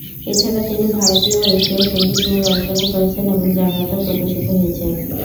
এছাড়াও তিনি ভারতীর ও এশীয় সঙ্গীত নিয়ে গবেষণা করেছেন এবং জার্নালে প্রকাশিত হয়েছে।